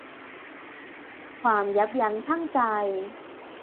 ความยับยั้งชั่งใจ